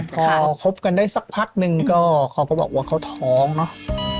พอคบกันได้สักพักนึงก็เขาก็บอกว่าเขาท้องเนอะ